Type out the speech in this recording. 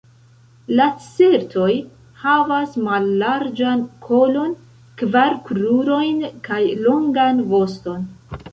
Lacertoj havas mallarĝan kolon, kvar krurojn kaj longan voston.